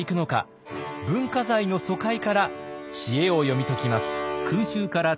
文化財の疎開から知恵を読み解きます。